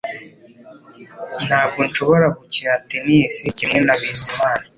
Ntabwo nshobora gukina tennis kimwe na Bizimana